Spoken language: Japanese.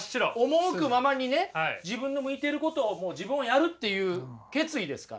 赴くままにね自分の向いていることをもう自分はやるっていう決意ですから。